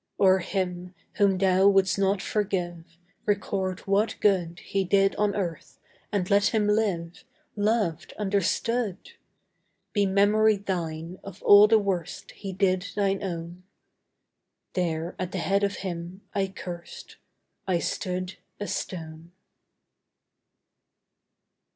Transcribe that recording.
"O'er him, whom thou wouldst not forgive, Record what good He did on Earth! and let him live Loved, understood! Be memory thine of all the worst He did thine own!"... There at the head of him I cursed I stood a stone.